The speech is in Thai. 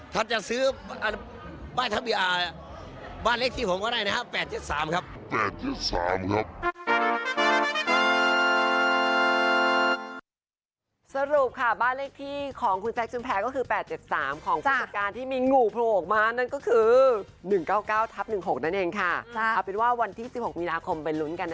ถ้าจะซื้อบ้านเลขที่ผมก็ได้นะครับ๘๗๓ครับ